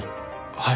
はい。